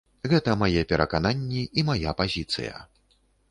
Гэта мае перакананні і мая пазіцыя.